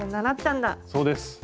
そうです。